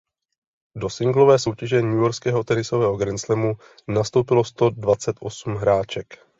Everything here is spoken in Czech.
Do singlové soutěže newyorského tenisového grandslamu nastoupilo sto dvacet osm hráček.